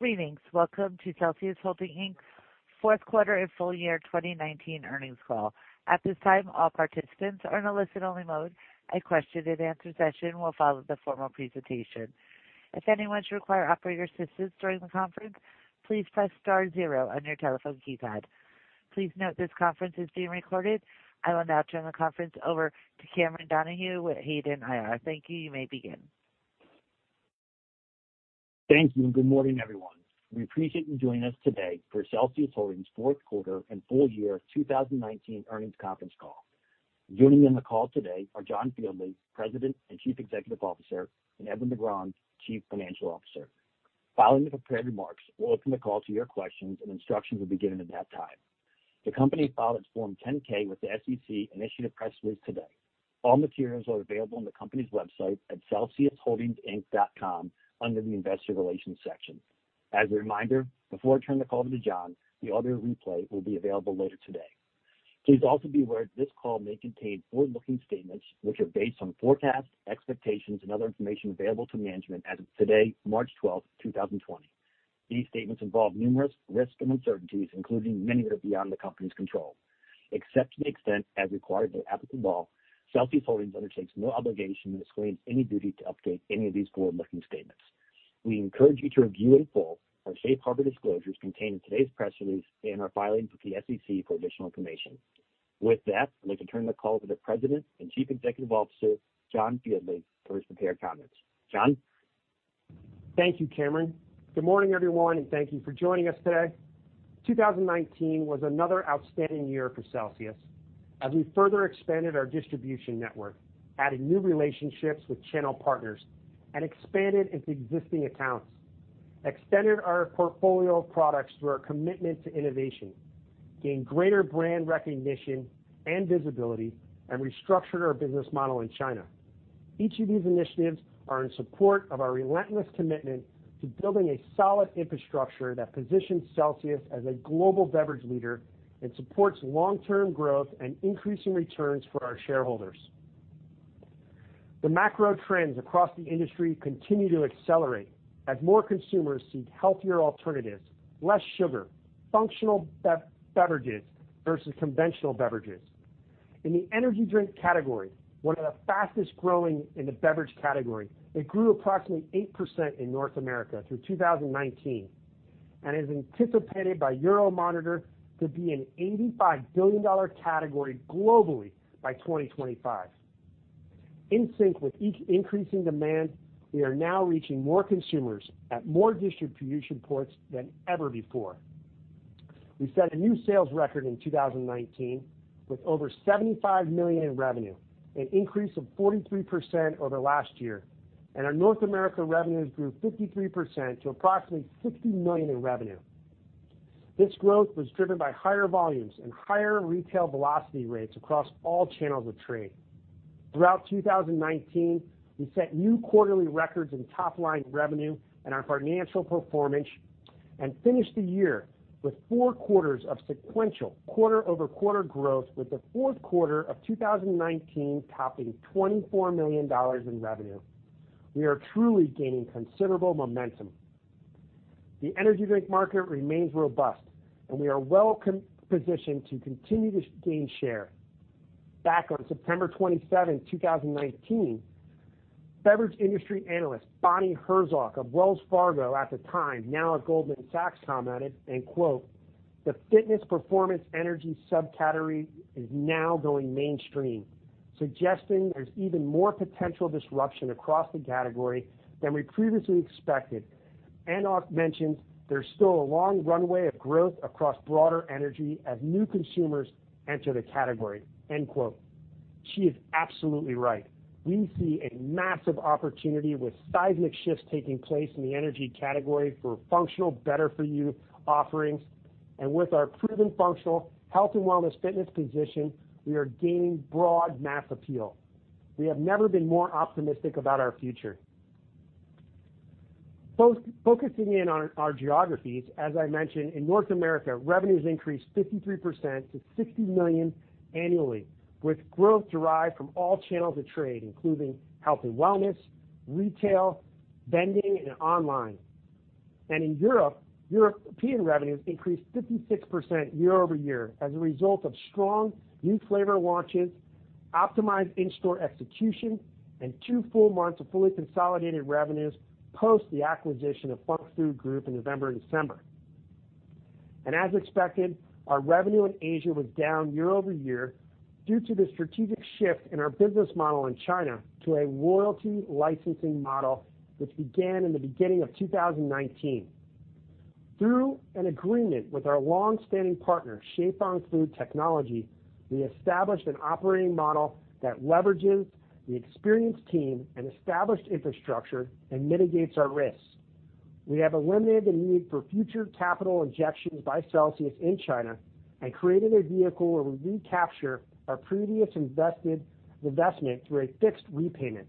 Greetings. Welcome to Celsius Holdings, Inc's Fourth Quarter and Full Year 2019 Earnings Call. At this time, all participants are in a listen-only mode. A question-and-answer session will follow the formal presentation. If anyone should require operator assistance during the conference, please press star zero on your telephone keypad. Please note this conference is being recorded. I will now turn the conference over to Cameron Donahue with Hayden IR. Thank you. You may begin. Thank you, and good morning, everyone. We appreciate you joining us today for Celsius Holdings' fourth quarter and full year 2019 earnings conference call. Joining on the call today are John Fieldly, President and Chief Executive Officer, and Edwin Negron-Carballo, Chief Financial Officer. Following the prepared remarks, we'll open the call to your questions, and instructions will be given at that time. The company filed its Form 10-K with the SEC and issued a press release today. All materials are available on the company's website at celsiusholdingsinc.com under the investor relations section. As a reminder, before I turn the call over to John, the audio replay will be available later today. Please also be aware this call may contain forward-looking statements which are based on forecasts, expectations, and other information available to management as of today, March 12th, 2020. These statements involve numerous risks and uncertainties, including many that are beyond the company's control. Except to the extent as required by applicable law, Celsius Holdings undertakes no obligation and disclaims any duty to update any of these forward-looking statements. We encourage you to review in full our safe harbor disclosures contained in today's press release and our filing with the SEC for additional information. With that, I'd like to turn the call to the President and Chief Executive Officer, John Fieldly, for his prepared comments. John? Thank you, Cameron. Good morning, everyone, and thank you for joining us today. 2019 was another outstanding year for Celsius as we further expanded our distribution network, added new relationships with channel partners, and expanded into existing accounts, extended our portfolio of products through our commitment to innovation, gained greater brand recognition and visibility, and restructured our business model in China. Each of these initiatives are in support of our relentless commitment to building a solid infrastructure that positions Celsius as a global beverage leader and supports long-term growth and increasing returns for our shareholders. The macro trends across the industry continue to accelerate as more consumers seek healthier alternatives, less sugar, functional beverages versus conventional beverages. In the energy drink category, one of the fastest-growing in the beverage category, it grew approximately 8% in North America through 2019 and is anticipated by Euromonitor to be an $85 billion category globally by 2025. In sync with increasing demand, we are now reaching more consumers at more distribution points than ever before. We set a new sales record in 2019 with over $75 million in revenue, an increase of 43% over last year, and our North America revenues grew 53% to approximately $60 million in revenue. This growth was driven by higher volumes and higher retail velocity rates across all channels of trade. Throughout 2019, we set new quarterly records in top-line revenue and our financial performance and finished the year with four quarters of sequential quarter-over-quarter growth with the fourth quarter of 2019 topping $24 million in revenue. We are truly gaining considerable momentum. The energy drink market remains robust. We are well positioned to continue to gain share. Back on September 27, 2019, beverage industry analyst Bonnie Herzog of Wells Fargo at the time, now at Goldman Sachs, commented, quote, "The fitness performance energy subcategory is now going mainstream, suggesting there's even more potential disruption across the category than we previously expected." Herzog mentions there's still a long runway of growth across broader energy as new consumers enter the category. End quote. She is absolutely right. We see a massive opportunity with seismic shifts taking place in the energy category for functional, better-for-you offerings. With our proven functional health and wellness fitness position, we are gaining broad mass appeal. We have never been more optimistic about our future. Focusing in on our geographies, as I mentioned, in North America, revenues increased 53% to $60 million annually, with growth derived from all channels of trade, including health and wellness, retail, vending, and online. In Europe, European revenues increased 56% year-over-year as a result of strong new flavor launches, optimized in-store execution, and two full months of fully consolidated revenues post the acquisition of Func Food Group in November and December. As expected, our revenue in Asia was down year-over-year due to the strategic shift in our business model in China to a royalty licensing model, which began in the beginning of 2019. Through an agreement with our longstanding partner, Qifeng Food Technology, we established an operating model that leverages the experienced team and established infrastructure and mitigates our risks. We have eliminated the need for future capital injections by Celsius in China and created a vehicle where we recapture our previous investment through a fixed repayment.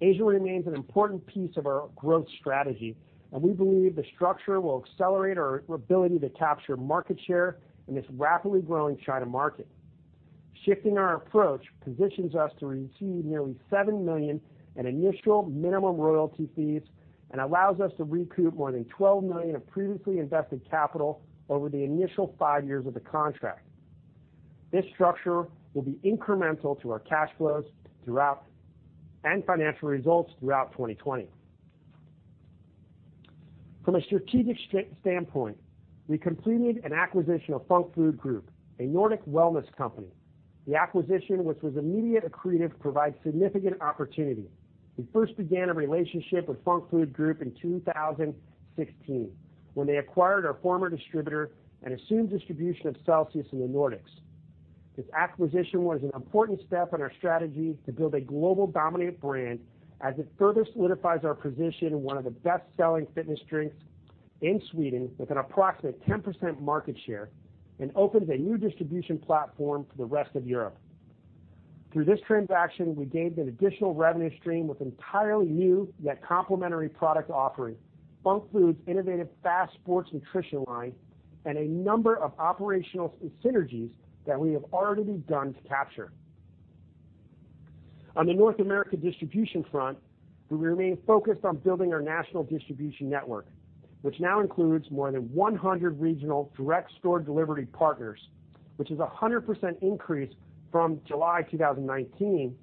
Asia remains an important piece of our growth strategy. We believe the structure will accelerate our ability to capture market share in this rapidly growing China market. Shifting our approach positions us to receive nearly $7 million in initial minimum royalty fees and allows us to recoup more than $12 million of previously invested capital over the initial five years of the contract. This structure will be incremental to our cash flows and financial results throughout 2020. From a strategic standpoint, we completed an acquisition of Func Food Group, a Nordic wellness company. The acquisition, which was immediate accretive, provides significant opportunity. We first began a relationship with Func Food Group in 2016 when they acquired our former distributor and assumed distribution of Celsius in the Nordics. This acquisition was an important step in our strategy to build a global dominant brand as it further solidifies our position in one of the best-selling fitness drinks in Sweden with an approximate 10% market share, and opens a new distribution platform for the rest of Europe. Through this transaction, we gained an additional revenue stream with entirely new, yet complementary product offering, Func Food's innovative FAST sports nutrition line and a number of operational synergies that we have already begun to capture. On the North America distribution front, we remain focused on building our national distribution network, which now includes more than 100 regional direct store delivery partners, which is 100% increase from July 2019,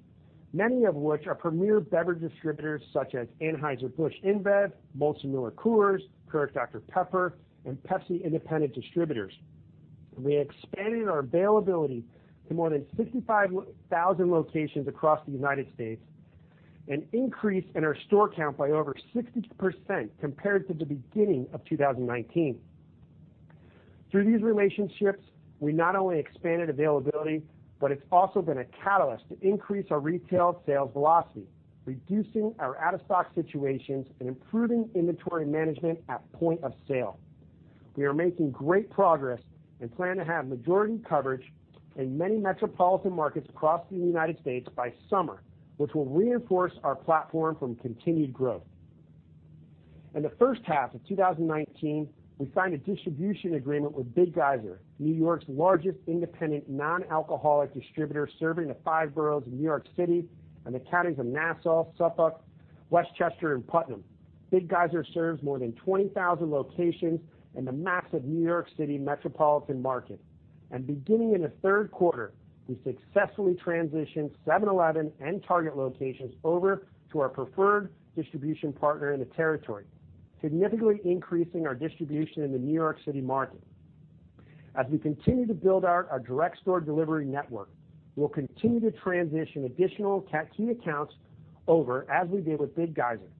many of which are premier beverage distributors such as Anheuser-Busch InBev, Molson Coors, Keurig Dr Pepper, and Pepsi independent distributors. We expanded our availability to more than 65,000 locations across the United States, an increase in our store count by over 60% compared to the beginning of 2019. Through these relationships, we not only expanded availability, but it's also been a catalyst to increase our retail sales velocity, reducing our out-of-stock situations and improving inventory management at point of sale. We are making great progress and plan to have majority coverage in many metropolitan markets across the United States by summer, which will reinforce our platform from continued growth. In the first half of 2019, we signed a distribution agreement with Big Geyser, New York's largest independent non-alcoholic distributor, serving the five boroughs of New York City and the counties of Nassau, Suffolk, Westchester, and Putnam. Big Geyser serves more than 20,000 locations in the massive New York City metropolitan market. Beginning in the third quarter, we successfully transitioned 7-Eleven and Target locations over to our preferred distribution partner in the territory, significantly increasing our distribution in the New York City market. As we continue to build out our direct store delivery network, we'll continue to transition additional key accounts over, as we did with Big Geyser,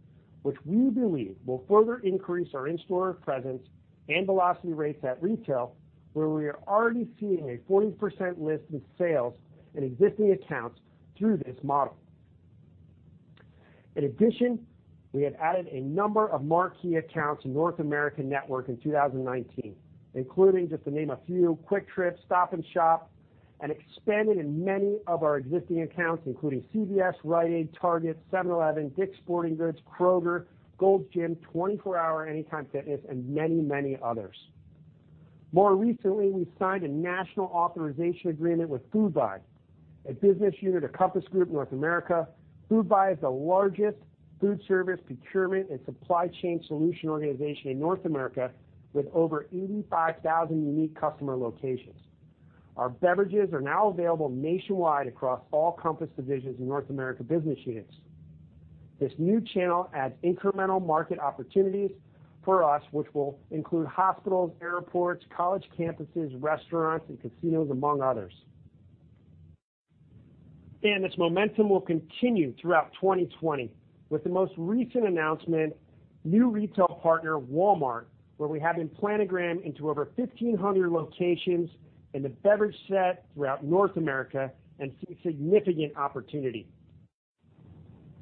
which we believe will further increase our in-store presence and velocity rates at retail, where we are already seeing a 40% lift in sales in existing accounts through this model. In addition, we have added a number of marquee accounts in North American network in 2019, including, just to name a few, Kwik Trip, Stop & Shop, and expanded in many of our existing accounts, including CVS, Rite Aid, Target, 7-Eleven, Dick's Sporting Goods, Kroger, Gold's Gym, 24 Hour, Anytime Fitness, and many others. More recently, we signed a national authorization agreement with Foodbuy, a business unit of Compass Group North America. Foodbuy is the largest foodservice procurement and supply chain solution organization in North America with over 85,000 unique customer locations. Our beverages are now available nationwide across all Compass divisions and North America business units. This new channel adds incremental market opportunities for us, which will include hospitals, airports, college campuses, restaurants, and casinos, among others. This momentum will continue throughout 2020 with the most recent announcement, new retail partner, Walmart, where we have been planogrammed into over 1,500 locations in the beverage set throughout North America and see significant opportunity.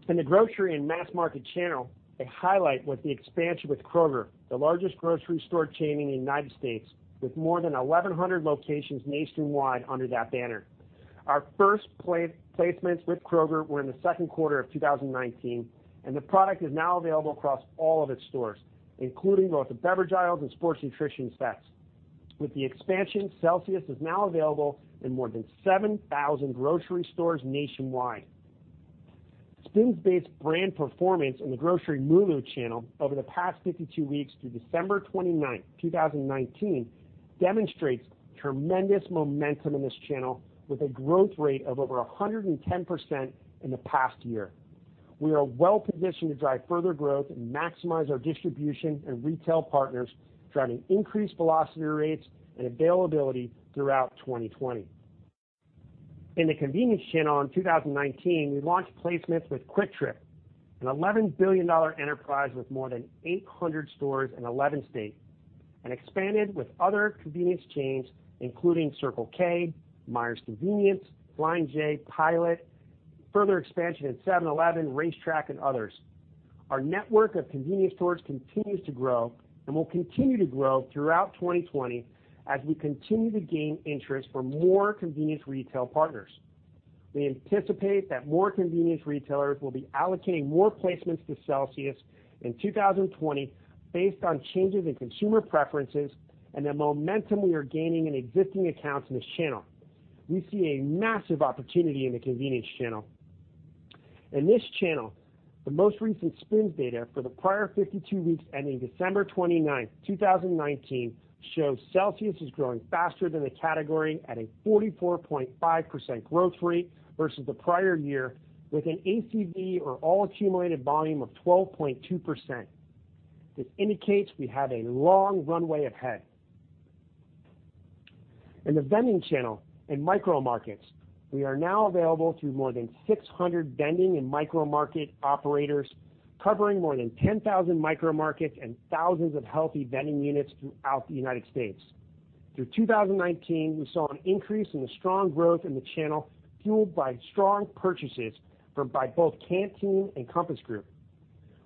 In the grocery and mass market channel, a highlight was the expansion with Kroger, the largest grocery store chain in the U.S., with more than 1,100 locations nationwide under that banner. Our first placements with Kroger were in the second quarter of 2019, and the product is now available across all of its stores, including both the beverage aisles and sports nutrition sets. With the expansion, Celsius is now available in more than 7,000 grocery stores nationwide. SPINS-based brand performance in the grocery channel over the past 52 weeks through December 29th, 2019, demonstrates tremendous momentum in this channel with a growth rate of over 110% in the past year. We are well positioned to drive further growth and maximize our distribution and retail partners, driving increased velocity rates and availability throughout 2020. In the convenience channel in 2019, we launched placements with Kwik Trip, an $11 billion enterprise with more than 800 stores in 11 states, and expanded with other convenience chains, including Circle K, Meijer Convenience, Flying J, Pilot, further expansion at 7-Eleven, RaceTrac, and others. Our network of convenience stores continues to grow and will continue to grow throughout 2020 as we continue to gain interest for more convenience retail partners. We anticipate that more convenience retailers will be allocating more placements to Celsius in 2020 based on changes in consumer preferences and the momentum we are gaining in existing accounts in this channel. We see a massive opportunity in the convenience channel. In this channel, the most recent SPINS data for the prior 52 weeks ending December 29th, 2019, shows Celsius is growing faster than the category at a 44.5% growth rate versus the prior year with an ACV, or All Commodity Volume, of 12.2%. This indicates we have a long runway ahead. In the vending channel and micro markets, we are now available through more than 600 vending and micro market operators, covering more than 10,000 micro markets and thousands of healthy vending units throughout the U.S. Through 2019, we saw an increase in the strong growth in the channel, fueled by strong purchases by both Canteen and Compass Group.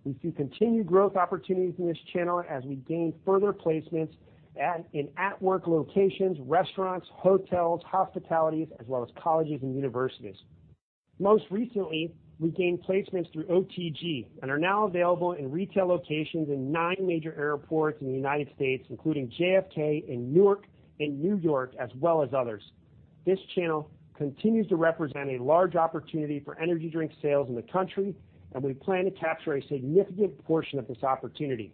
We see continued growth opportunities in this channel as we gain further placements in at work locations, restaurants, hotels, hospitalities, as well as colleges and universities. Most recently, we gained placements through OTG and are now available in retail locations in nine major airports in the U.S., including JFK in Newark and New York, as well as others. This channel continues to represent a large opportunity for energy drink sales in the country. We plan to capture a significant portion of this opportunity.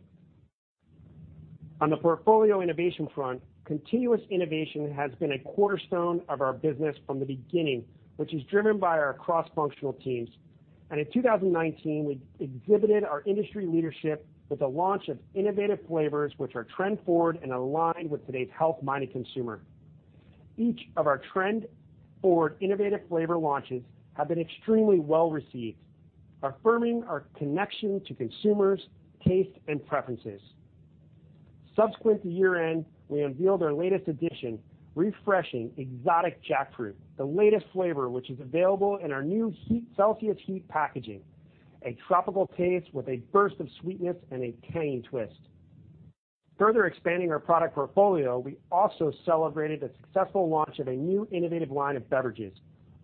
On the portfolio innovation front, continuous innovation has been a cornerstone of our business from the beginning, which is driven by our cross-functional teams. In 2019, we exhibited our industry leadership with the launch of innovative flavors, which are trend forward and aligned with today's health-minded consumer. Each of our trend forward innovative flavor launches have been extremely well received, affirming our connection to consumers' taste and preferences. Subsequent to year-end, we unveiled our latest edition, refreshing exotic Jackfruit, the latest flavor, which is available in our new CELSIUS HEAT packaging, a tropical taste with a burst of sweetness and a tangy twist. Further expanding our product portfolio, we also celebrated the successful launch of a new innovative line of beverages,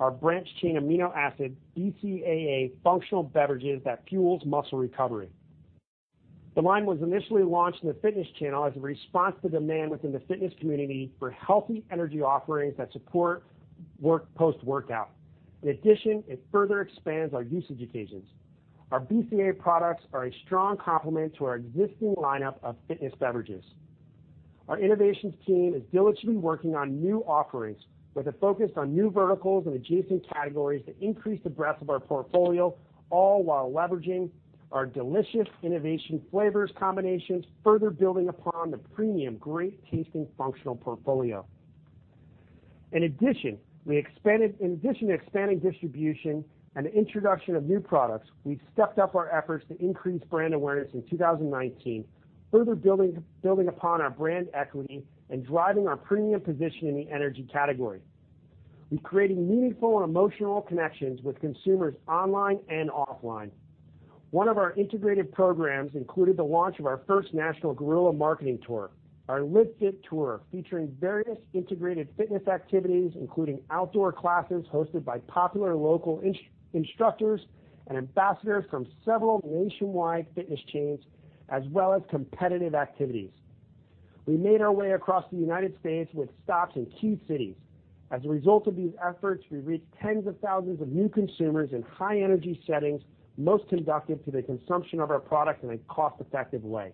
our branched-chain amino acid BCAA functional beverages that fuels muscle recovery. The line was initially launched in the fitness channel as a response to demand within the fitness community for healthy energy offerings that support post-workout. In addition, it further expands our usage occasions. Our BCAA products are a strong complement to our existing lineup of fitness beverages. Our innovations team is diligently working on new offerings with a focus on new verticals and adjacent categories that increase the breadth of our portfolio, all while leveraging our delicious innovation flavors combinations, further building upon the premium, great tasting functional portfolio. In addition to expanding distribution and the introduction of new products, we've stepped up our efforts to increase brand awareness in 2019, further building upon our brand equity and driving our premium position in the energy category. We're creating meaningful and emotional connections with consumers online and offline. One of our integrated programs included the launch of our first national guerrilla marketing tour, our Live Fit Tour, featuring various integrated fitness activities, including outdoor classes hosted by popular local instructors and ambassadors from several nationwide fitness chains, as well as competitive activities. We made our way across the United States with stops in key cities. As a result of these efforts, we reached tens of thousands of new consumers in high energy settings, most conductive to the consumption of our product in a cost-effective way.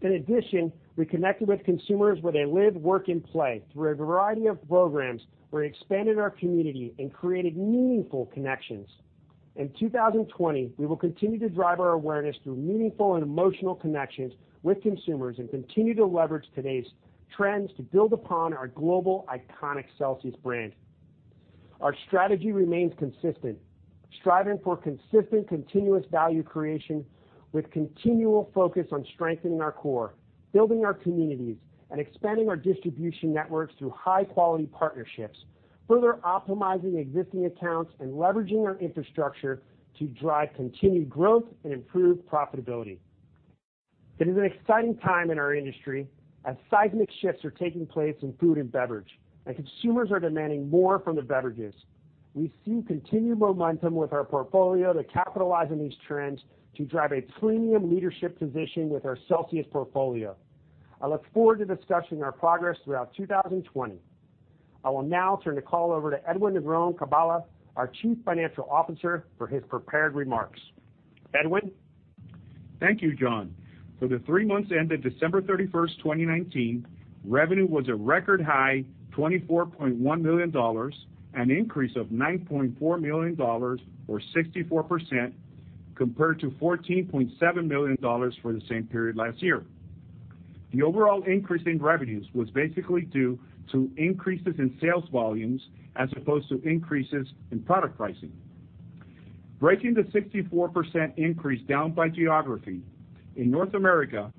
In addition, we connected with consumers where they live, work, and play through a variety of programs where we expanded our community and created meaningful connections. In 2020, we will continue to drive our awareness through meaningful and emotional connections with consumers and continue to leverage today's trends to build upon our global iconic Celsius brand. Our strategy remains consistent, striving for consistent, continuous value creation with continual focus on strengthening our core, building our communities, and expanding our distribution networks through high quality partnerships, further optimizing existing accounts and leveraging our infrastructure to drive continued growth and improve profitability. It is an exciting time in our industry as seismic shifts are taking place in food and beverage, and consumers are demanding more from their beverages. We see continued momentum with our portfolio to capitalize on these trends to drive a premium leadership position with our Celsius portfolio. I look forward to discussing our progress throughout 2020. I will now turn the call over to Edwin Negron-Carballo, our Chief Financial Officer, for his prepared remarks. Edwin? Thank you, John. For the three months ended December 31st, 2019, revenue was a record high $24.1 million, an increase of $9.4 million, or 64%, compared to $14.7 million for the same period last year. The overall increase in revenues was basically due to increases in sales volumes as opposed to increases in product pricing. Breaking the 64% increase down by geography, in North America,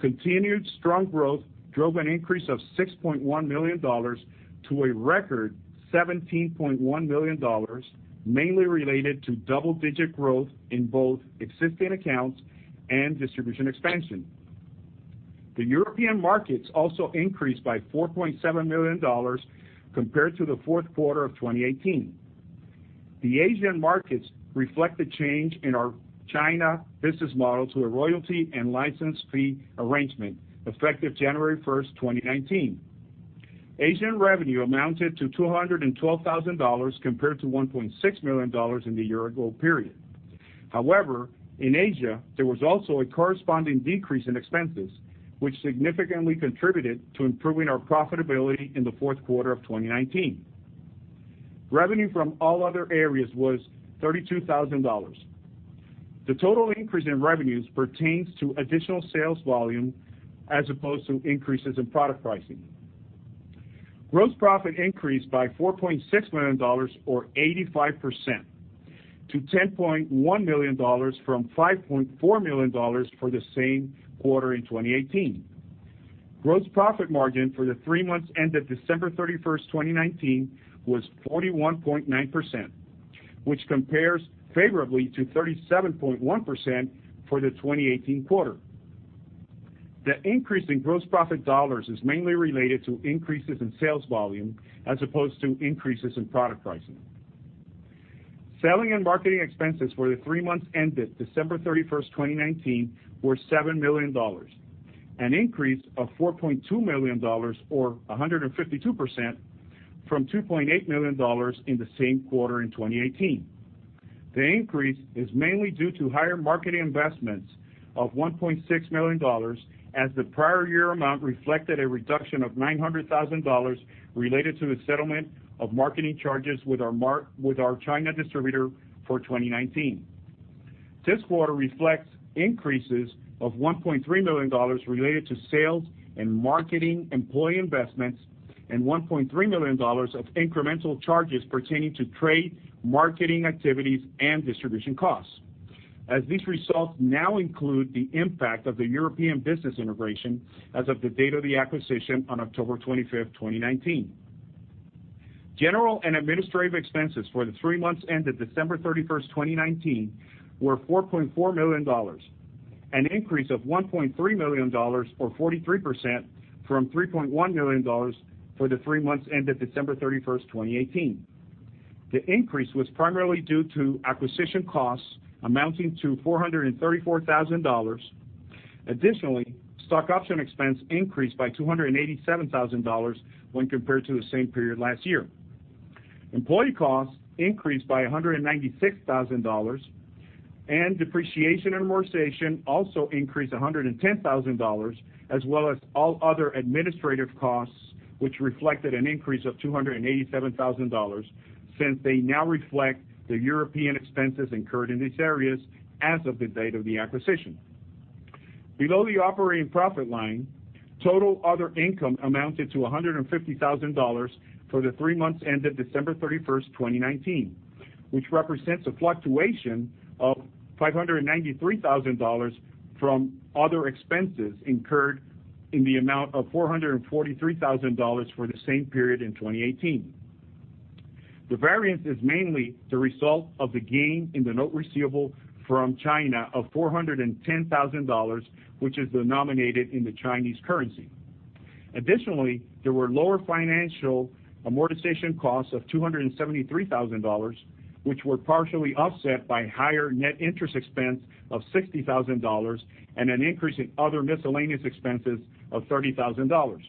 continued strong growth drove an increase of $6.1 million to a record $17.1 million, mainly related to double digit growth in both existing accounts and distribution expansion. The European markets also increased by $4.7 million compared to the fourth quarter of 2018. The Asian markets reflect the change in our China business model to a royalty and license fee arrangement effective January 1st, 2019. Asian revenue amounted to $212,000 compared to $1.6 million in the year ago period. However, in Asia, there was also a corresponding decrease in expenses, which significantly contributed to improving our profitability in the fourth quarter of 2019. Revenue from all other areas was $32,000. The total increase in revenues pertains to additional sales volume as opposed to increases in product pricing. Gross profit increased by $4.6 million, or 85%, to $10.1 million from $5.4 million for the same quarter in 2018. Gross profit margin for the three months ended December 31st, 2019, was 41.9%, which compares favorably to 37.1% for the 2018 quarter. The increase in gross profit dollars is mainly related to increases in sales volume as opposed to increases in product pricing. Selling and marketing expenses for the three months ended December 31st, 2019, were $7 million, an increase of $4.2 million or 152% from $2.8 million in the same quarter in 2018. The increase is mainly due to higher marketing investments of $1.6 million as the prior year amount reflected a reduction of $900,000 related to the settlement of marketing charges with our China distributor for 2019. This quarter reflects increases of $1.3 million related to sales and marketing employee investments and $1.3 million of incremental charges pertaining to trade, marketing activities, and distribution costs, as these results now include the impact of the European business integration as of the date of the acquisition on October 25th, 2019. General and administrative expenses for the three months ended December 31st, 2019, were $4.4 million, an increase of $1.3 million or 43% from $3.1 million for the three months ended December 31st, 2018. The increase was primarily due to acquisition costs amounting to $434,000. Additionally, stock option expense increased by $287,000 when compared to the same period last year. Employee costs increased by $196,000, and depreciation and amortization also increased $110,000, as well as all other administrative costs, which reflected an increase of $287,000 since they now reflect the European expenses incurred in these areas as of the date of the acquisition. Below the operating profit line, total other income amounted to $150,000 for the three months ended December 31st, 2019, which represents a fluctuation of $593,000 from other expenses incurred in the amount of $443,000 for the same period in 2018. The variance is mainly the result of the gain in the note receivable from China of $410,000, which is denominated in the Chinese currency. Additionally, there were lower financial amortization costs of $273,000, which were partially offset by higher net interest expense of $60,000 and an increase in other miscellaneous expenses of $30,000.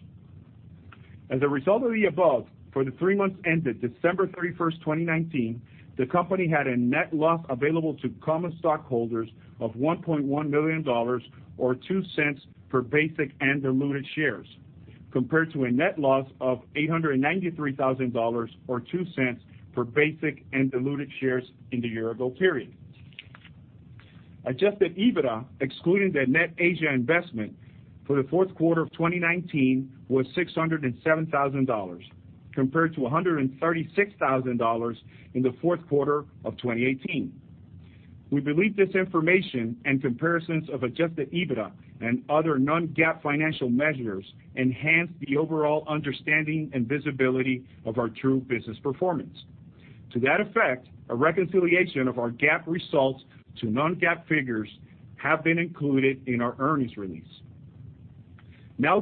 As a result of the above, for the three months ended December 31st, 2019, the company had a net loss available to common stockholders of $1.1 million or $0.02 per basic and diluted shares, compared to a net loss of $893,000 or $0.02 per basic and diluted shares in the year-ago period. Adjusted EBITDA, excluding the net Asia investment for the fourth quarter of 2019, was $607,000, compared to $136,000 in the fourth quarter of 2018. We believe this information and comparisons of adjusted EBITDA and other non-GAAP financial measures enhance the overall understanding and visibility of our true business performance. To that effect, a reconciliation of our GAAP results to non-GAAP figures have been included in our earnings release.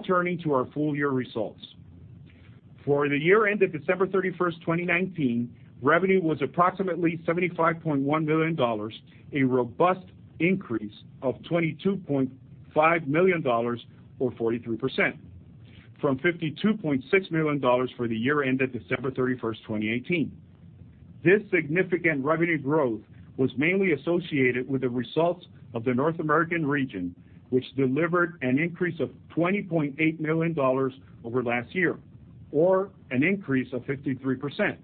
Turning to our full-year results. For the year ended December 31st, 2019, revenue was approximately $75.1 million, a robust increase of $22.5 million or 43%, from $52.6 million for the year ended December 31st, 2018. This significant revenue growth was mainly associated with the results of the North American region, which delivered an increase of $20.8 million over last year or an increase of 53%.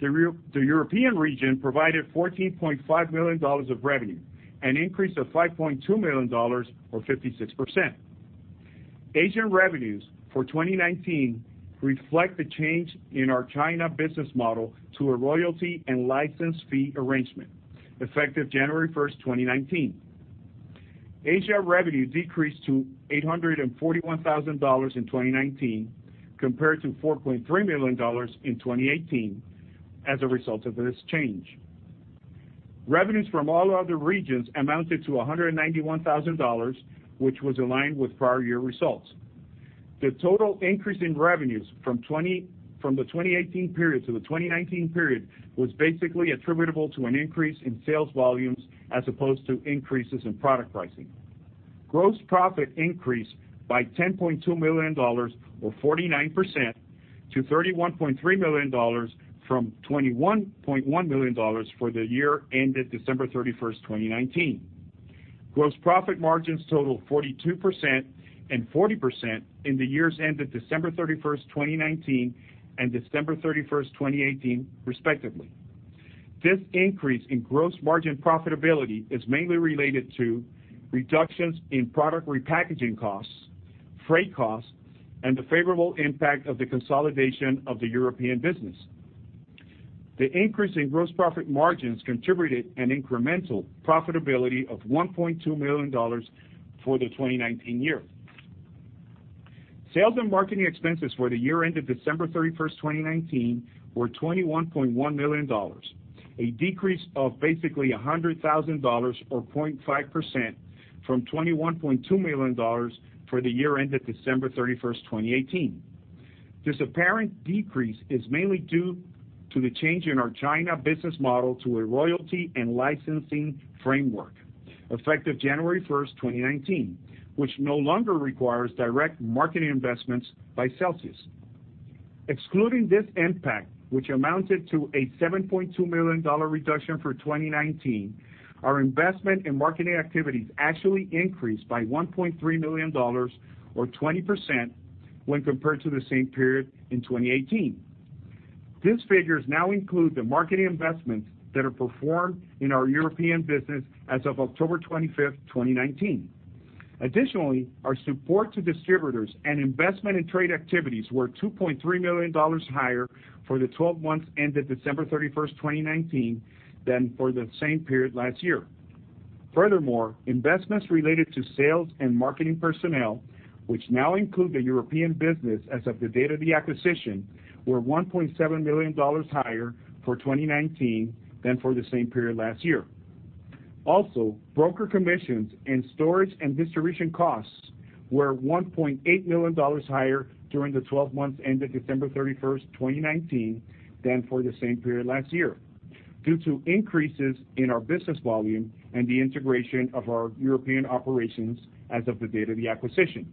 The European region provided $14.5 million of revenue, an increase of $5.2 million or 56%. Asian revenues for 2019 reflect the change in our China business model to a royalty and license fee arrangement effective January 1st, 2019. Asia revenue decreased to $841,000 in 2019 compared to $4.3 million in 2018 as a result of this change. Revenues from all other regions amounted to $191,000, which was aligned with prior year results. The total increase in revenues from the 2018 period to the 2019 period was basically attributable to an increase in sales volumes as opposed to increases in product pricing. Gross profit increased by $10.2 million, or 49%, to $31.3 million from $21.1 million for the year ended December 31st, 2019. Gross profit margins totaled 42% and 40% in the years ended December 31st, 2019 and December 31st, 2018 respectively. This increase in gross margin profitability is mainly related to reductions in product repackaging costs, freight costs, and the favorable impact of the consolidation of the European business. The increase in gross profit margins contributed an incremental profitability of $1.2 million for the 2019 year. Sales and marketing expenses for the year ended December 31st, 2019 were $21.1 million, a decrease of basically $100,000, or 0.5%, from $21.2 million for the year ended December 31st, 2018. This apparent decrease is mainly due to the change in our China business model to a royalty and licensing framework effective January 1st, 2019, which no longer requires direct marketing investments by Celsius. Excluding this impact, which amounted to a $7.2 million reduction for 2019, our investment in marketing activities actually increased by $1.3 million or 20% when compared to the same period in 2018. These figures now include the marketing investments that are performed in our European business as of October 25th, 2019. Additionally, our support to distributors and investment in trade activities were $2.3 million higher for the 12 months ended December 31st, 2019, than for the same period last year. Furthermore, investments related to sales and marketing personnel, which now include the European business as of the date of the acquisition, were $1.7 million higher for 2019 than for the same period last year. Broker commissions and storage and distribution costs were $1.8 million higher during the 12 months ended December 31st, 2019 than for the same period last year due to increases in our business volume and the integration of our European operations as of the date of the acquisition.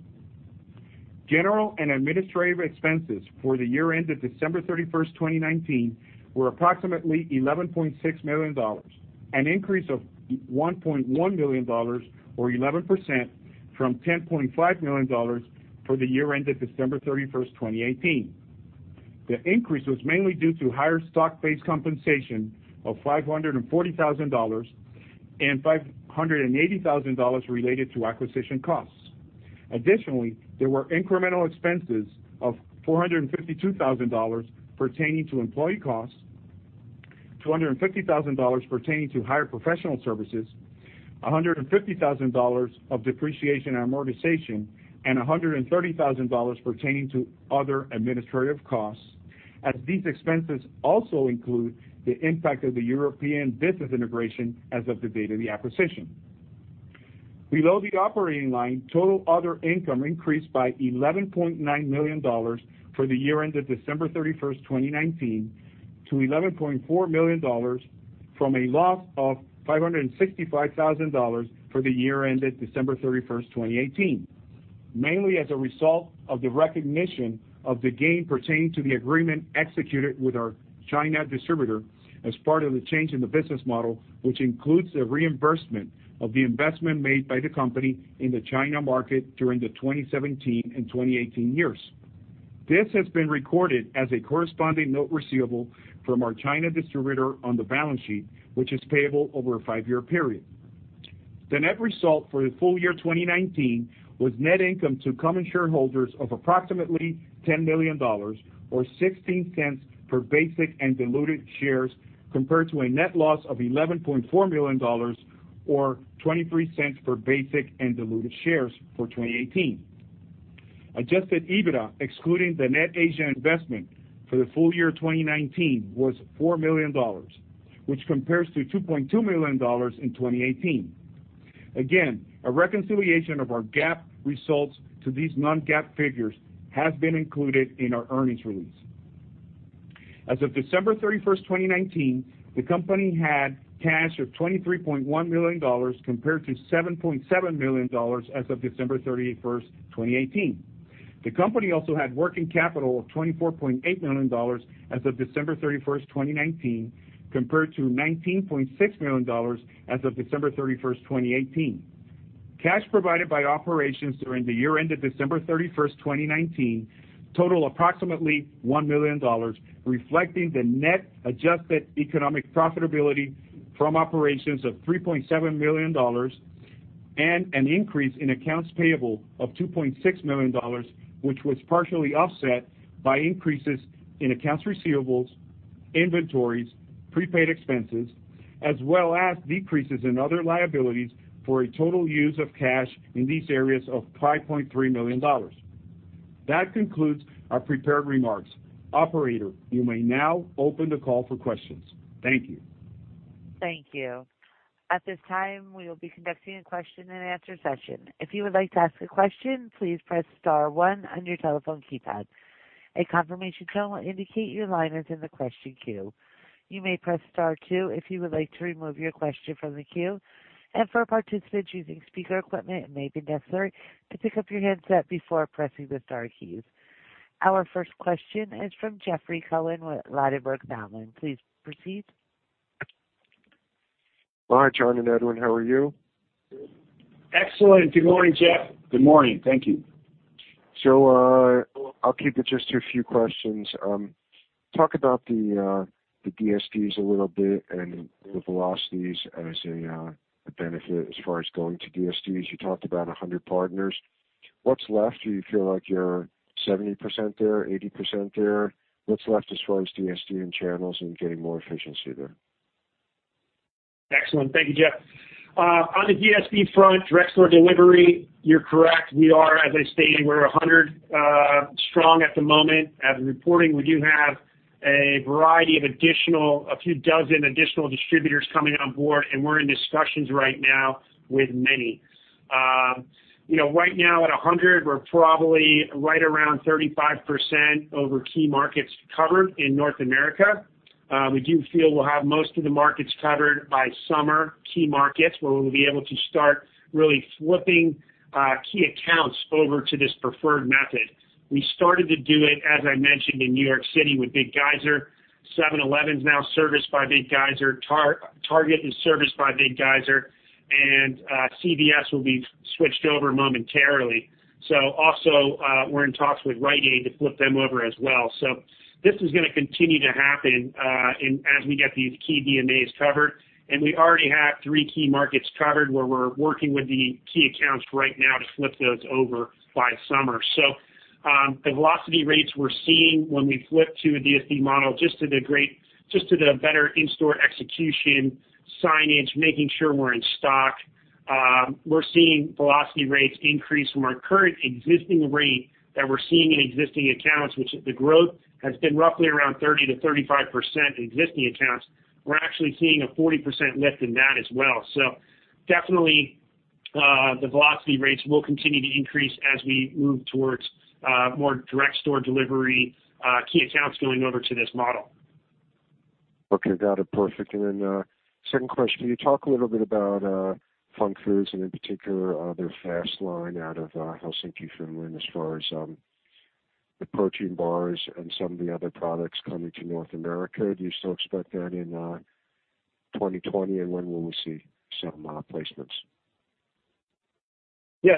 General and administrative expenses for the year ended December 31st, 2019 were approximately $11.6 million, an increase of $1.1 million or 11% from $10.5 million for the year ended December 31st, 2018. The increase was mainly due to higher stock-based compensation of $540,000 and $580,000 related to acquisition costs. There were incremental expenses of $452,000 pertaining to employee costs, $250,000 pertaining to higher professional services, $150,000 of depreciation and amortization, and $130,000 pertaining to other administrative costs, as these expenses also include the impact of the European business integration as of the date of the acquisition. Below the operating line, total other income increased by $11.9 million for the year ended December 31st, 2019 to $11.4 million from a loss of $565,000 for the year ended December 31st, 2018, mainly as a result of the recognition of the gain pertaining to the agreement executed with our China distributor as part of the change in the business model, which includes the reimbursement of the investment made by the company in the China market during the 2017 and 2018 years. This has been recorded as a corresponding note receivable from our China distributor on the balance sheet, which is payable over a five-year period. The net result for the full year 2019 was net income to common shareholders of approximately $10 million or $0.16 per basic and diluted shares compared to a net loss of $11.4 million or $0.23 per basic and diluted shares for 2018. Adjusted EBITDA, excluding the net Asia investment for the full year 2019 was $4 million, which compares to $2.2 million in 2018. Again, a reconciliation of our GAAP results to these non-GAAP figures has been included in our earnings release. As of December 31st, 2019, the company had cash of $23.1 million compared to $7.7 million as of December 31st, 2018. The company also had working capital of $24.8 million as of December 31st, 2019 compared to $19.6 million as of December 31st, 2018. Cash provided by operations during the year ended December 31st, 2019 total approximately $1 million, reflecting the net adjusted economic profitability from operations of $3.7 million and an increase in accounts payable of $2.6 million, which was partially offset by increases in accounts receivables, inventories, prepaid expenses, as well as decreases in other liabilities for a total use of cash in these areas of $5.3 million. That concludes our prepared remarks. Operator, you may now open the call for questions. Thank you. Thank you. At this time, we will be conducting a question and answer session. If you would like to ask a question, please press star one on your telephone keypad. A confirmation tone will indicate your line is in the question queue. You may press star two if you would like to remove your question from the queue. For participants using speaker equipment, it may be necessary to pick up your headset before pressing the star keys. Our first question is from Jeffrey Cohen with Ladenburg Thalmann. Please proceed. Hi, John and Edwin. How are you? Excellent. Good morning, Jeff. Good morning. Thank you. I'll keep it just to a few questions. Talk about the DSDs a little bit and the velocities as a benefit as far as going to DSDs. You talked about 100 partners. What's left? Do you feel like you're 70% there, 80% there? What's left as far as DSD and channels and getting more efficiency there? Excellent. Thank you, Jeff. On the DSD front, direct store delivery, you're correct. We are, as I stated, we're 100 strong at the moment. As of reporting, we do have a variety of a few dozen additional distributors coming on board, and we're in discussions right now with many. Right now at 100, we're probably right around 35% over key markets covered in North America. We do feel we'll have most of the markets covered by summer, key markets, where we'll be able to start really flipping key accounts over to this preferred method. We started to do it, as I mentioned, in New York City with Big Geyser. 7-Eleven is now serviced by Big Geyser. Target is serviced by Big Geyser, and CVS will be switched over momentarily. Also, we're in talks with Rite Aid to flip them over as well. This is going to continue to happen as we get these key DMAs covered. We already have 3 key markets covered where we're working with the key accounts right now to flip those over by summer. The velocity rates we're seeing when we flip to a DSD model, just at a better in-store execution, signage, making sure we're in stock. We're seeing velocity rates increase from our current existing rate that we're seeing in existing accounts, which the growth has been roughly around 30%-35% in existing accounts. We're actually seeing a 40% lift in that as well. Definitely, the velocity rates will continue to increase as we move towards more direct store delivery, key accounts going over to this model. Okay. Got it. Perfect. Second question, can you talk a little bit about Func Food, and in particular, their FAST line out of Helsinki, Finland, as far as the protein bars and some of the other products coming to North America? Do you still expect that in 2020, and when will we see some placements? Yeah,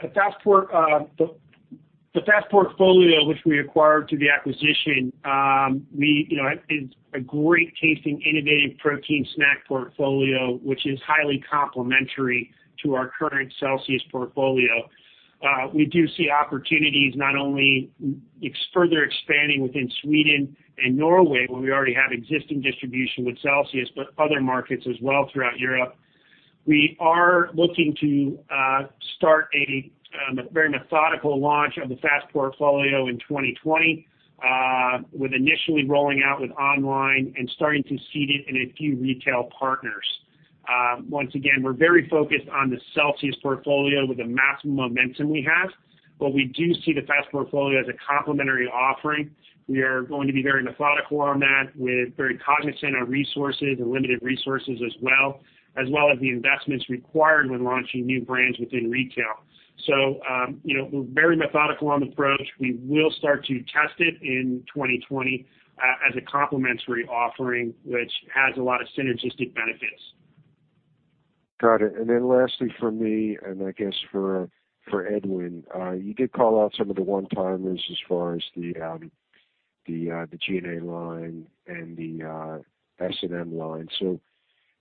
the FAST portfolio, which we acquired through the acquisition, is a great-tasting, innovative protein snack portfolio, which is highly complementary to our current Celsius portfolio. We do see opportunities not only further expanding within Sweden and Norway, where we already have existing distribution with Celsius, but other markets as well throughout Europe. We are looking to start a very methodical launch of the FAST portfolio in 2020, with initially rolling out with online and starting to seed it in a few retail partners. Once again, we're very focused on the Celsius portfolio with the maximum momentum we have. We do see the FAST portfolio as a complementary offering. We are going to be very methodical on that, with very cognizant of resources and limited resources as well, as well as the investments required when launching new brands within retail. We're very methodical on the approach. We will start to test it in 2020 as a complementary offering, which has a lot of synergistic benefits. Got it. Lastly from me, I guess for Edwin, you did call out some of the one-timers as far as the G&A line and the S&M line.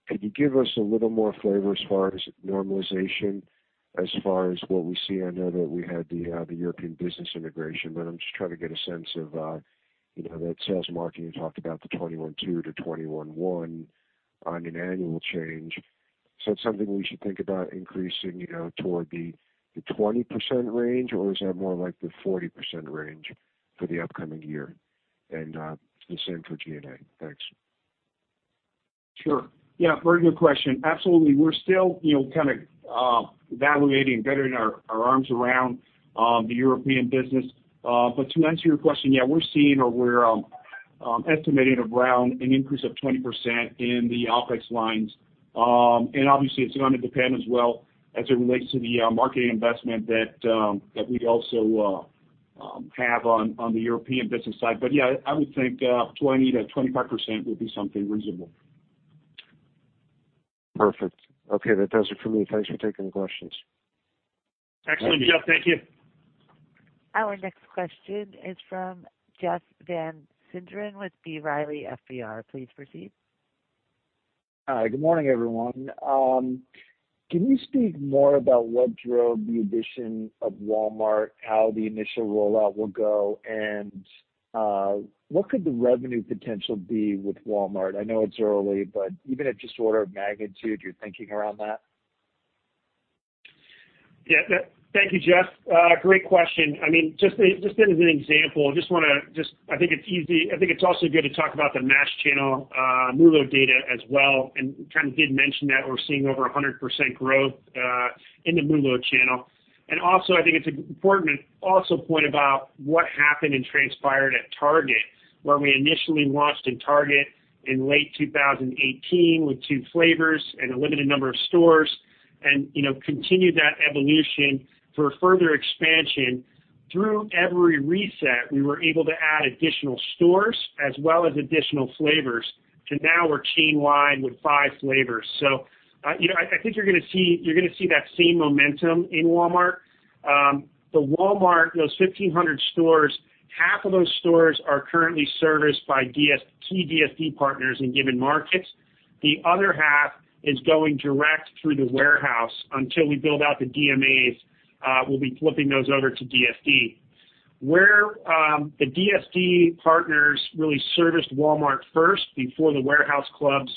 Could you give us a little more flavor as far as normalization, as far as what we see? I know that we had the European business integration, but I'm just trying to get a sense of that sales marketing. You talked about the 21.2 to 21.1 on an annual change. Is that something we should think about increasing toward the 20% range, or is that more like the 40% range for the upcoming year? The same for G&A. Thanks. Sure. Yeah, very good question. Absolutely. We're still kind of evaluating, getting our arms around the European business. To answer your question, yeah, we're seeing or we're estimating around an increase of 20% in the OpEx lines. Obviously, it's going to depend as well as it relates to the marketing investment that we'd also have on the European business side. Yeah, I would think 20%-25% would be something reasonable. Perfect. Okay. That does it for me. Thanks for taking the questions. Excellent, Jeff. Thank you. Our next question is from Jeff Van Sinderen with B. Riley FBR. Please proceed. Hi. Good morning, everyone. Can you speak more about what drove the addition of Walmart, how the initial rollout will go, and what could the revenue potential be with Walmart? I know it's early, but even at just order of magnitude, you're thinking around that? Thank you, Jeff. Great question. Just as an example, I think it's also good to talk about the mass channel MULO data as well, and kind of did mention that we're seeing over 100% growth in the MULO channel. Also, I think it's important to also point about what happened and transpired at Target, where we initially launched in Target in late 2018 with two flavors and a limited number of stores, and continued that evolution for further expansion. Through every reset, we were able to add additional stores as well as additional flavors. Now we're chain wide with five flavors. I think you're going to see that same momentum in Walmart. The Walmart, those 1,500 stores, half of those stores are currently serviced by key DSD partners in given markets. The other half is going direct through the warehouse. Until we build out the DMAs, we'll be flipping those over to DSD. Where the DSD partners really serviced Walmart first before the warehouse clubs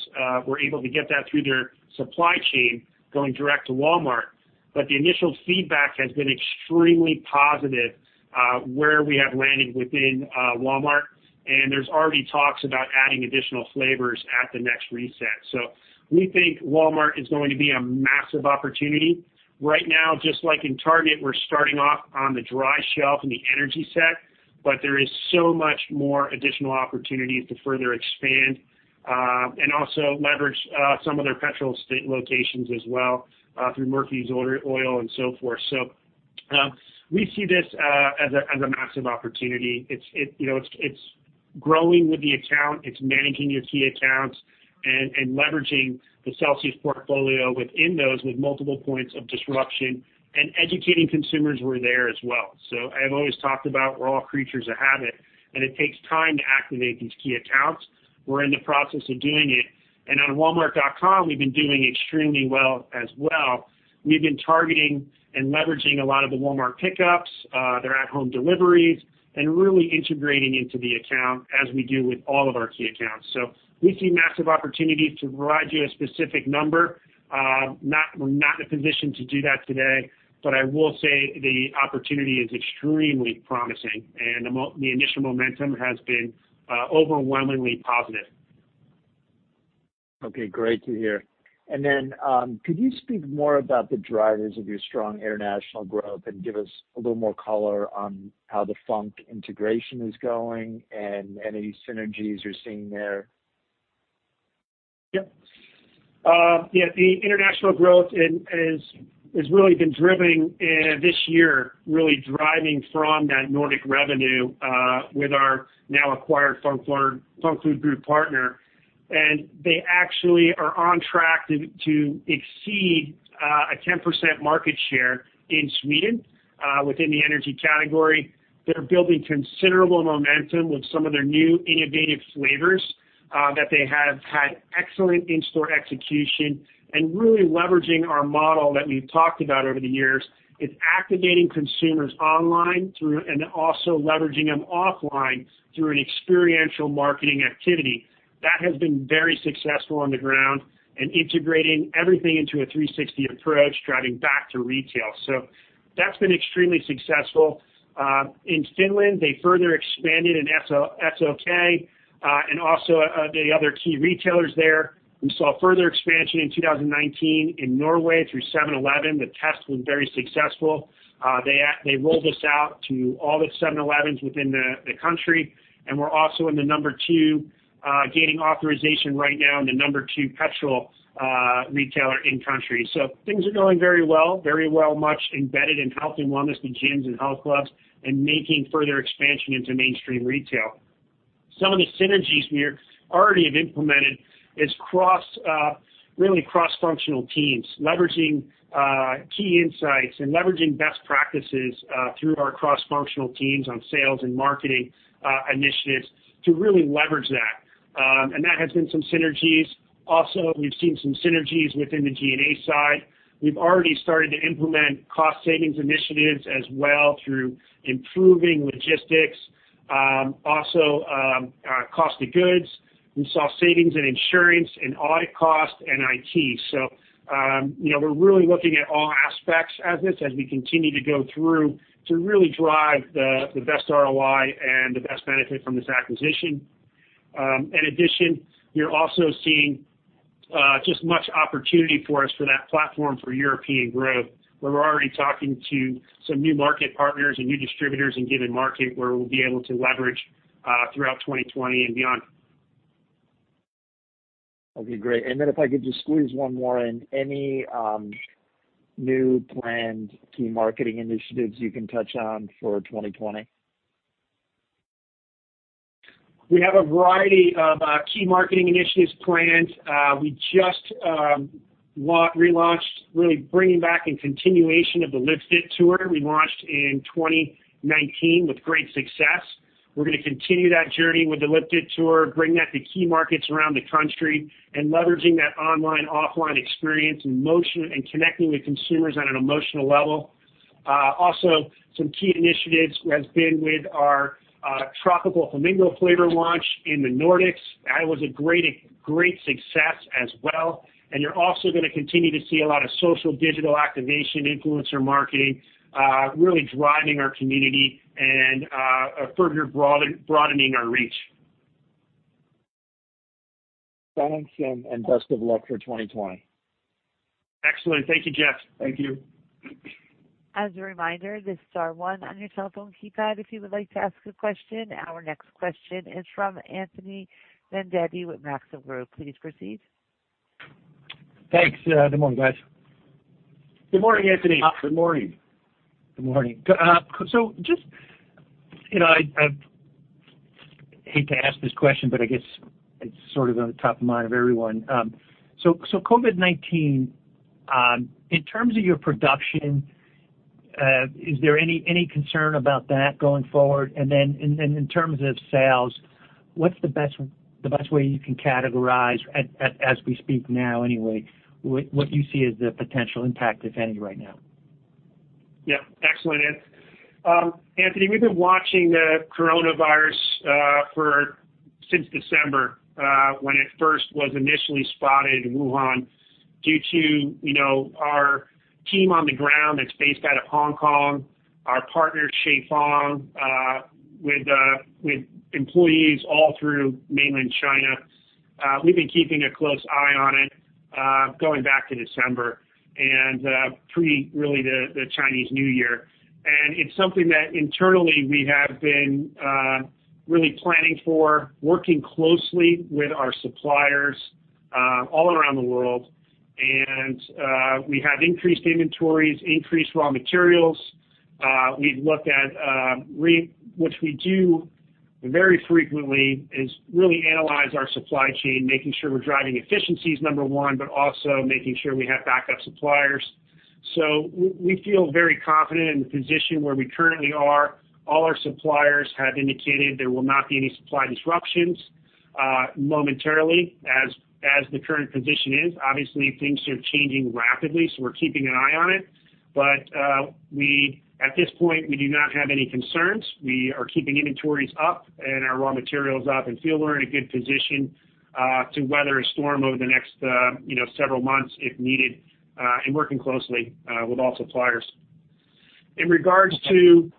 were able to get that through their supply chain going direct to Walmart. The initial feedback has been extremely positive, where we have landed within Walmart, and there's already talks about adding additional flavors at the next reset. We think Walmart is going to be a massive opportunity. Right now, just like in Target, we're starting off on the dry shelf in the energy set, but there is so much more additional opportunities to further expand, and also leverage some of their petrol locations as well, through Murphy USA and so forth. We see this as a massive opportunity. It's growing with the account, it's managing your key accounts and leveraging the Celsius portfolio within those with multiple points of disruption and educating consumers where they are as well. I've always talked about we're all creatures of habit, and it takes time to activate these key accounts. We're in the process of doing it. On walmart.com, we've been doing extremely well as well. We've been targeting and leveraging a lot of the Walmart pickups, their at home deliveries, and really integrating into the account as we do with all of our key accounts. We see massive opportunities. To provide you a specific number, we're not in a position to do that today, but I will say the opportunity is extremely promising, and the initial momentum has been overwhelmingly positive. Okay, great to hear. Could you speak more about the drivers of your strong international growth and give us a little more color on how the Func integration is going and any synergies you're seeing there? Yep. The international growth has really been driven this year, really driving from that Nordic revenue, with our now acquired Func Food Group partner. They actually are on track to exceed a 10% market share in Sweden, within the energy category. They're building considerable momentum with some of their new innovative flavors, that they have had excellent in-store execution and really leveraging our model that we've talked about over the years. It's activating consumers online and also leveraging them offline through an experiential marketing activity. That has been very successful on the ground and integrating everything into a 360 approach, driving back to retail. That's been extremely successful. In Finland, they further expanded in SOK and also the other key retailers there. We saw further expansion in 2019 in Norway through 7-Eleven. The test was very successful. They rolled us out to all the 7-Elevens within the country, and we're also in the number two, gaining authorization right now in the number two petrol retailer in country. Things are going very well, much embedded in health and wellness in gyms and health clubs and making further expansion into mainstream retail. Some of the synergies we already have implemented is really cross-functional teams, leveraging key insights and leveraging best practices through our cross-functional teams on sales and marketing initiatives to really leverage that. That has been some synergies. We've seen some synergies within the G&A side. We've already started to implement cost savings initiatives as well through improving logistics. Cost of goods. We saw savings in insurance and audit cost and IT. We're really looking at all aspects as we continue to go through to really drive the best ROI and the best benefit from this acquisition. In addition, you're also seeing just much opportunity for us for that platform for European growth, where we're already talking to some new market partners and new distributors in given market where we'll be able to leverage, throughout 2020 and beyond. Okay, great. If I could just squeeze one more in. Any new planned key marketing initiatives you can touch on for 2020? We have a variety of key marketing initiatives planned. We just relaunched, really bringing back a continuation of the Live Fit Tour we launched in 2019 with great success. We're going to continue that journey with the Live Fit Tour, bring that to key markets around the country and leveraging that online, offline experience and connecting with consumers on an emotional level. Also, some key initiatives has been with our Tropical Flamingo flavor launch in the Nordics. That was a great success as well. You're also going to continue to see a lot of social digital activation, influencer marketing really driving our community and further broadening our reach. Thanks, and best of luck for 2020. Excellent. Thank you, Jeff. Thank you. As a reminder, this is star one on your telephone keypad if you would like to ask a question. Our next question is from Anthony Vendetti with Maxim Group. Please proceed. Thanks. Good morning, guys. Good morning, Anthony. Good morning. Good morning. I hate to ask this question, but I guess it's sort of on the top of mind of everyone. COVID-19, in terms of your production, is there any concern about that going forward? In terms of sales, what's the best way you can categorize, as we speak now anyway, what you see as the potential impact, if any, right now? Yeah. Excellent. Anthony, we've been watching the coronavirus since December, when it first was initially spotted in Wuhan due to our team on the ground that's based out of Hong Kong, our partner, Qifeng, with employees all through mainland China. We've been keeping a close eye on it, going back to December and pre, really, the Chinese New Year. It's something that internally we have been really planning for, working closely with our suppliers all around the world. We have increased inventories, increased raw materials. We've looked at, which we do very frequently, is really analyze our supply chain, making sure we're driving efficiencies, number one, but also making sure we have backup suppliers. We feel very confident in the position where we currently are. All our suppliers have indicated there will not be any supply disruptions momentarily, as the current position is. Obviously, things are changing rapidly, we're keeping an eye on it. At this point, we do not have any concerns. We are keeping inventories up and our raw materials up and feel we're in a good position to weather a storm over the next several months if needed, and working closely with all suppliers. In regards to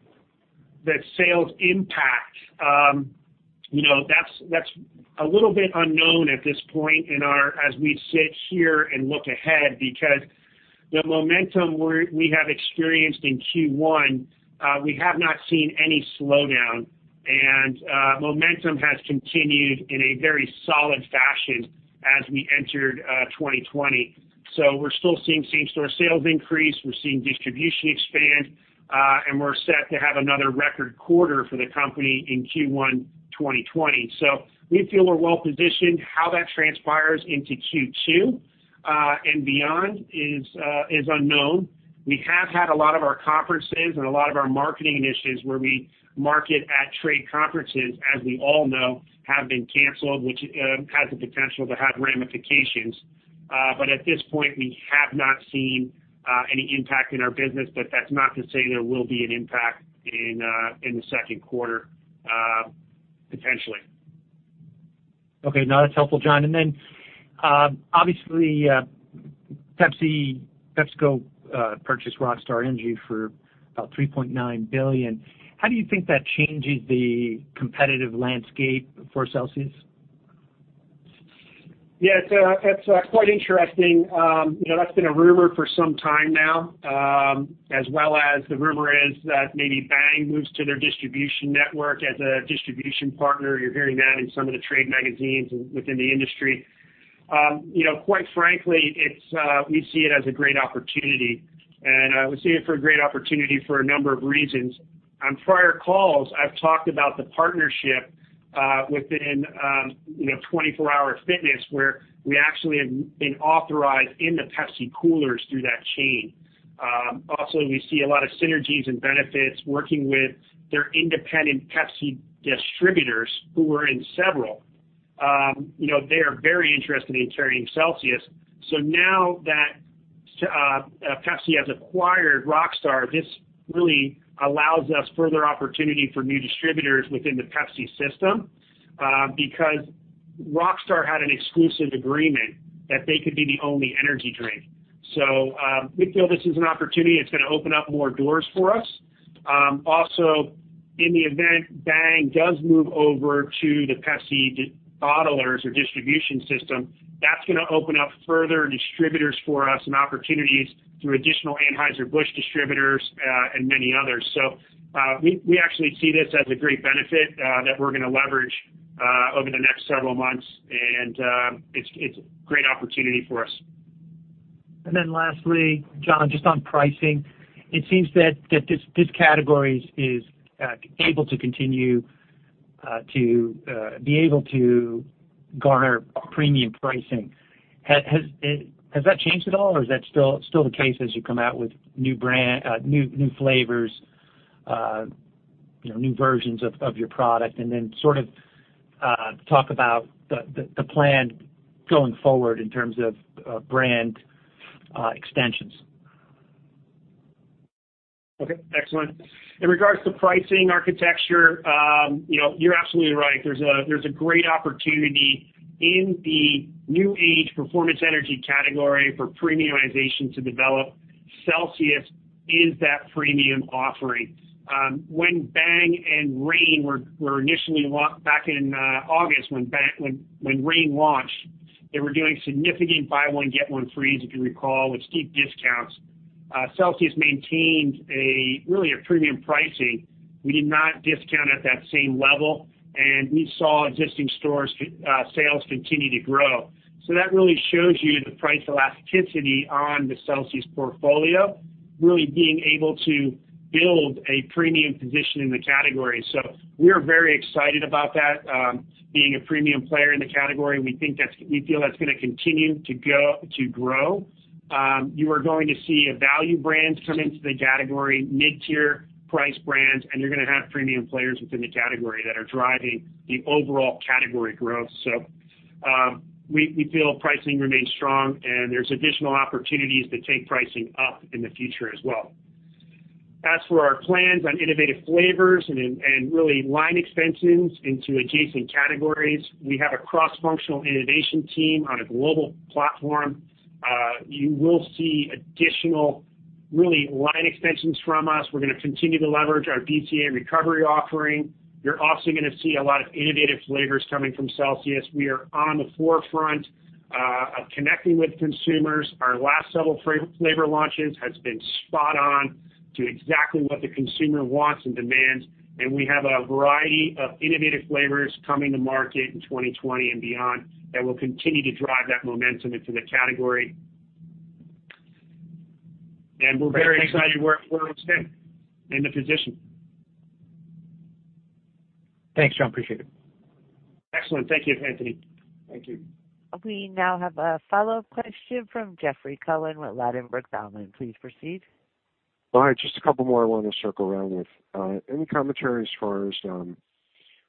the sales impact, that's a little bit unknown at this point as we sit here and look ahead, because the momentum we have experienced in Q1, we have not seen any slowdown. Momentum has continued in a very solid fashion as we entered 2020. We're still seeing same-store sales increase, we're seeing distribution expand, and we're set to have another record quarter for the company in Q1 2020. We feel we're well-positioned. How that transpires into Q2 and beyond is unknown. We have had a lot of our conferences and a lot of our marketing initiatives where we market at trade conferences, as we all know, have been canceled, which has the potential to have ramifications. At this point, we have not seen any impact in our business. That's not to say there will be an impact in the second quarter, potentially. Okay. No, that's helpful, John. Obviously, PepsiCo purchased Rockstar Energy for about $3.9 billion. How do you think that changes the competitive landscape for Celsius? It's quite interesting. That's been a rumor for some time now, as well as the rumor is that maybe Bang moves to their distribution network as a distribution partner. You're hearing that in some of the trade magazines within the industry. Quite frankly, we see it as a great opportunity, and we see it for a great opportunity for a number of reasons. On prior calls, I've talked about the partnership within 24 Hour Fitness, where we actually have been authorized in the Pepsi coolers through that chain. We see a lot of synergies and benefits working with their independent Pepsi distributors, who are in several. They are very interested in carrying Celsius. Now that Pepsi has acquired Rockstar, this really allows us further opportunity for new distributors within the Pepsi system because Rockstar had an exclusive agreement that they could be the only energy drink. We feel this is an opportunity. It's going to open up more doors for us. Also, in the event Bang does move over to the Pepsi bottlers or distribution system, that's going to open up further distributors for us and opportunities through additional Anheuser-Busch distributors and many others. We actually see this as a great benefit that we're going to leverage over the next several months, and it's a great opportunity for us. Lastly, John, just on pricing, it seems that this category is able to continue to be able to garner premium pricing. Has that changed at all, or is that still the case as you come out with new flavors, new versions of your product, and then sort of talk about the plan going forward in terms of brand extensions. Okay. Excellent. In regards to pricing architecture, you're absolutely right. There's a great opportunity in the new age performance energy category for premiumization to develop. Celsius is that premium offering. When Bang and Reign were initially launched back in August, when Reign launched, they were doing significant buy one get one frees, if you recall, with steep discounts. Celsius maintained a really premium pricing. We did not discount at that same level, and we saw existing store sales continue to grow. That really shows you the price elasticity on the Celsius portfolio, really being able to build a premium position in the category. We are very excited about that, being a premium player in the category, and we feel that's going to continue to grow. You are going to see a value brand come into the category, mid-tier price brands, and you're going to have premium players within the category that are driving the overall category growth. We feel pricing remains strong, and there's additional opportunities to take pricing up in the future as well. As for our plans on innovative flavors and really line extensions into adjacent categories, we have a cross-functional innovation team on a global platform. You will see additional really line extensions from us. We're going to continue to leverage our BCAA recovery offering. You're also going to see a lot of innovative flavors coming from Celsius. We are on the forefront of connecting with consumers. Our last several flavor launches have been spot on to exactly what the consumer wants and demands. We have a variety of innovative flavors coming to market in 2020 and beyond that will continue to drive that momentum into the category. We're very excited where it will stand and the position. Thanks, John. Appreciate it. Excellent. Thank you, Anthony. Thank you. We now have a follow-up question from Jeffrey Cohen with Ladenburg Thalmann. Please proceed. All right. Just a couple more I want to circle around with. Any commentary as far as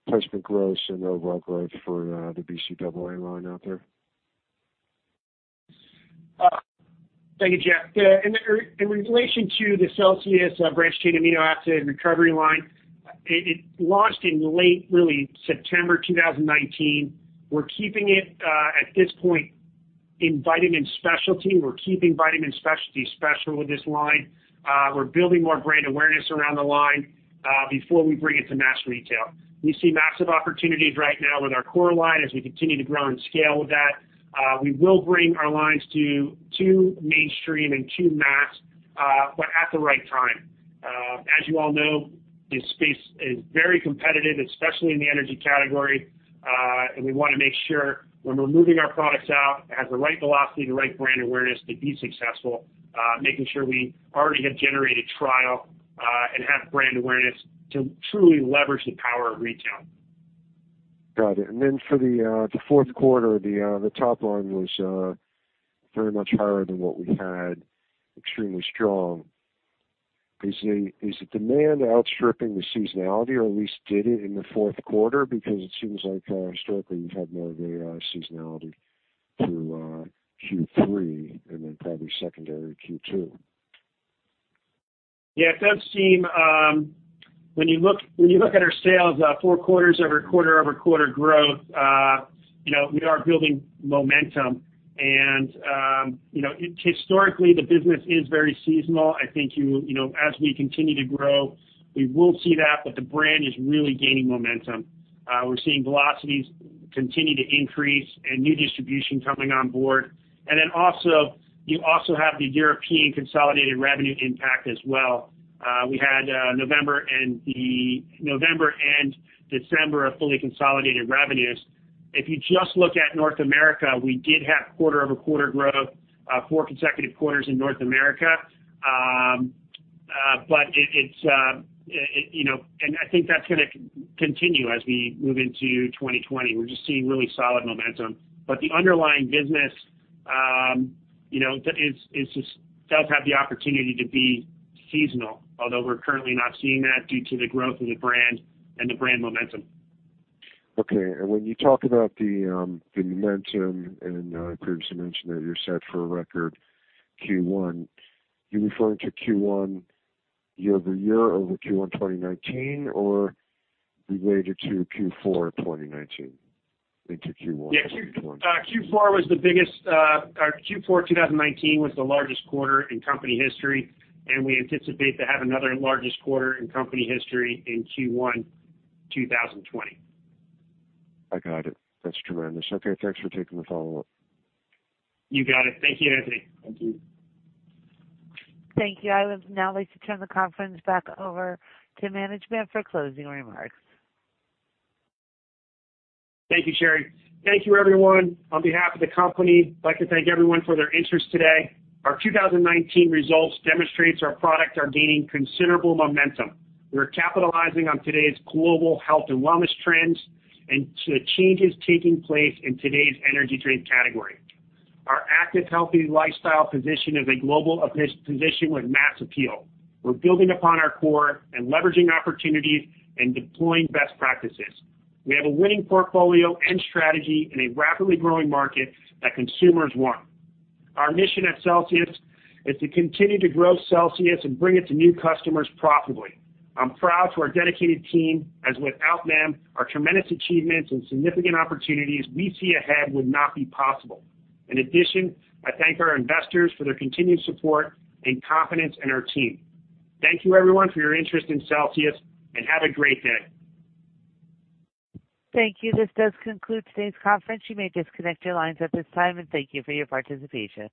placement growth and overall growth for the BCAA line out there? Thank you, Jeff. In relation to the Celsius branched-chain amino acid recovery line, it launched in late September 2019. We're keeping it, at this point, in vitamin specialty. We're keeping vitamin specialty special with this line. We're building more brand awareness around the line before we bring it to mass retail. We see massive opportunities right now with our core line as we continue to grow and scale with that. We will bring our lines to mainstream and to mass, but at the right time. As you all know, this space is very competitive, especially in the energy category. We want to make sure when we're moving our products out, it has the right velocity and the right brand awareness to be successful, making sure we already have generated trial and have brand awareness to truly leverage the power of retail. Got it. For the fourth quarter, the top line was very much higher than what we had. Extremely strong. Is the demand outstripping the seasonality, or at least did it in the fourth quarter? It seems like historically you've had more of a seasonality through Q3 and then probably secondary Q2. Yeah, it does seem, when you look at our sales, four quarters of quarter-over-quarter growth. We are building momentum and historically the business is very seasonal. I think as we continue to grow, we will see that, but the brand is really gaining momentum. We're seeing velocities continue to increase and new distribution coming on board. Also, you also have the European consolidated revenue impact as well. We had November and December of fully consolidated revenues. If you just look at North America, we did have quarter-over-quarter growth, four consecutive quarters in North America. I think that's going to continue as we move into 2020. We're just seeing really solid momentum. The underlying business does have the opportunity to be seasonal, although we're currently not seeing that due to the growth of the brand and the brand momentum. Okay. When you talk about the momentum, and you previously mentioned that you're set for a record Q1, you're referring to Q1 year-over-year over Q1 2019 or related to Q4 of 2019 into Q1 of 2020? Yeah. Q4 2019 was the largest quarter in company history, and we anticipate to have another largest quarter in company history in Q1 2020. I got it. That's tremendous. Okay. Thanks for taking the follow-up. You got it. Thank you, Jeffrey. Thank you. Thank you. I would now like to turn the conference back over to management for closing remarks. Thank you, Sherry. Thank you, everyone. On behalf of the company, I'd like to thank everyone for their interest today. Our 2019 results demonstrates our products are gaining considerable momentum. We are capitalizing on today's global health and wellness trends and to changes taking place in today's energy drink category. Our active healthy lifestyle position is a global position with mass appeal. We're building upon our core and leveraging opportunities and deploying best practices. We have a winning portfolio and strategy in a rapidly growing market that consumers want. Our mission at Celsius is to continue to grow Celsius and bring it to new customers profitably. I'm proud for our dedicated team, as without them, our tremendous achievements and significant opportunities we see ahead would not be possible. In addition, I thank our investors for their continued support and confidence in our team. Thank you everyone for your interest in Celsius, and have a great day. Thank you. This does conclude today's conference. You may disconnect your lines at this time, and thank you for your participation.